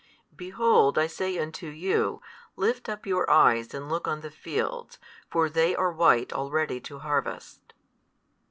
|228 Behold I say unto you, Lift up your eyes and look on the fields, for they are white already to harvest.